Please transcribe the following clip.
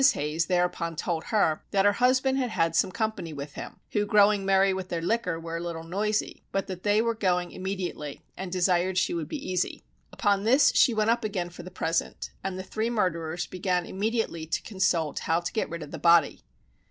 Hayes thereupon told her that her husband had had some company with him, who growing merry with their liquor were a little noisy, but that they were going immediately, and desired she would be easy. Upon this she went up again for the present, and the three murderers began immediately to consult how to get rid of the body.